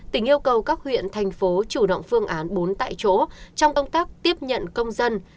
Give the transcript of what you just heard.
tỉnh yêu cầu các huyện thành phố chủ động phương án bốn tại chỗ trong công tác tiếp nhận công dân